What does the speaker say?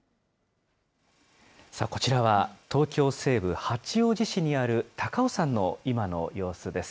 こちらは東京西部、八王子市にある高尾山の今の様子です。